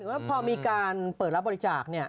ว่าพอมีการเปิดรับบริจาค